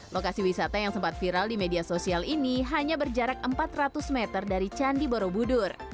lokasi wisata yang sempat viral di media sosial ini hanya berjarak empat ratus meter dari candi borobudur